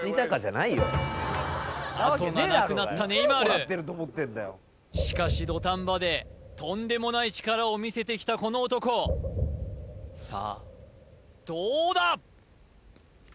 あとがなくなったネイマールしかし土壇場でとんでもない力を見せてきたこの男さあどうだ！？